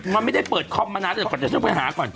มันไม่ได้เปิดคอปมานานแล้วก่อนอยากจะซ่อมไปหาก่อน